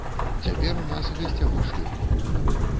Цяпер у нас гасцявы шлюб.